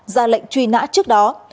ra lệnh truy nã trước đó